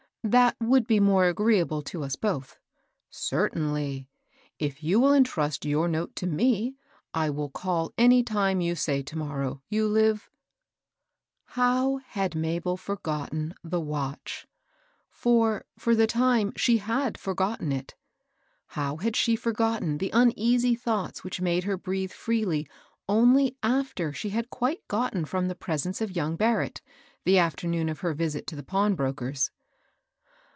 " That would be more agreeable to us both." "Certainly. If you will intrust your note to me^ I will call any time you say to morrow. You Hve" — How had Mabel forgotten the watch ?— for, for the time, she had forgotten it, — how had she fop gotten the uneasy thoughts which made her breathe freely only after she had quite gotten from the presence of young Barrett, the afternoon of her visit to the pawnbroker's